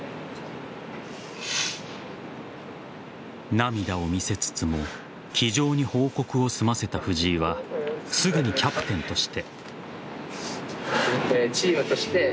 涙を見せつつも気丈に報告を済ませた藤井はすぐにキャプテンとして。